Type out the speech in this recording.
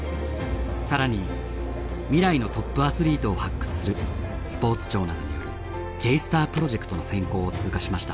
さらに未来のトップアスリートを発掘するスポーツ庁などによるＪ−ＳＴＡＲプロジェクトの選考を通過しました。